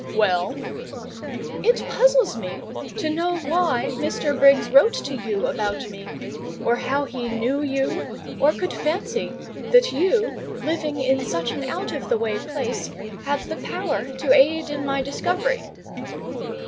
"Well?" "It puzzles me to know why Mr. Briggs wrote to you about me; or how he knew you, or could fancy that you, living in such an out of the way place, had the power to aid in my discovery."